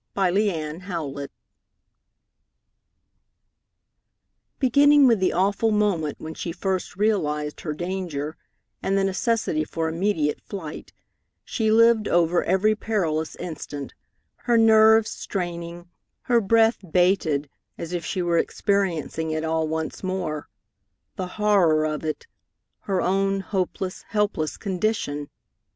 V Beginning with the awful moment when she first realized her danger and the necessity for immediate flight, she lived over every perilous instant, her nerves straining, her breath bated as if she were experiencing it all once more. The horror of it! Her own hopeless, helpless condition!